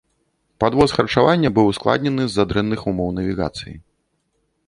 Падвоз харчавання быў ускладнены з-за дрэнных умоў навігацыі.